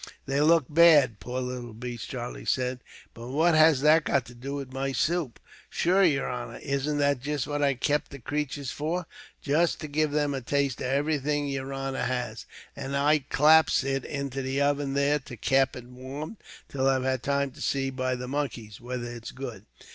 "They look bad, poor little beasts," Charlie said; "but what has that got to do with my soup?" "Shure, yer honor, isn't that jist what I keep the cratures for, just to give them a taste of everything yer honor has, and I claps it into the oven there to kape it warm till I've had time to see, by the monkeys, whether it's good."